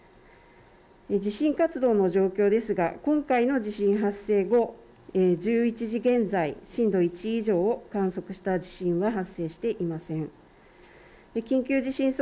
地震活動の状況ですが今回の地震発生後、１１時現在、震度１以上を観測した地震は発生していません。